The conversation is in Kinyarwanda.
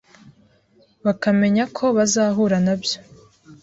bakamenya ko bazahura na byo